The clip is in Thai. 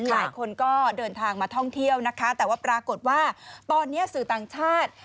หลายคนก็เดินทางมาท่องเที่ยวนะคะแต่ว่าปรากฏว่าตอนนี้สื่อต่างชาติ